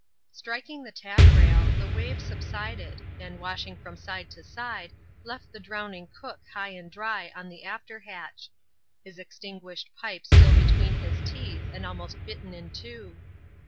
Striking the taflrail, the wave subsided, and, washing from side to side, left the drowning cook high and dry on the after hatch : his extinguished pipe still between his teeth, and almost bitten in two.